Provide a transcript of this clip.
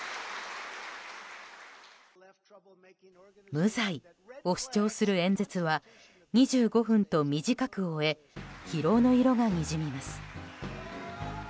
無罪を主張する演説は２５分と短く終え疲労の色がにじみます。